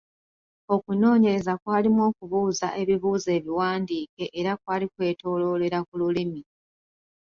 Okunoonyereza kwalimu okubuuza ebibuuzo ebiwandiike era kwali kwetooloolera ku lulimi.